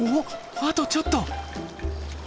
あとちょっと。